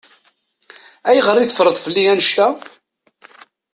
Ayɣer i teffreḍ fell-i annect-a?